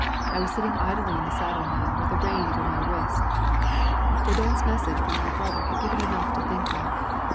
I was sitting idly in the saddle now with the rein over my wrist. Jourdan's message from my brother had given enough to think of.